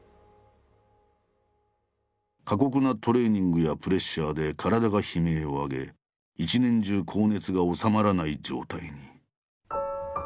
過酷なトレーニングやプレッシャーで体が悲鳴を上げ一年中高熱が治まらない状態に。